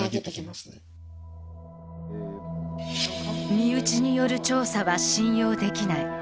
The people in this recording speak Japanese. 身内による調査は信用できない。